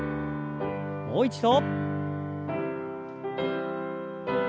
もう一度。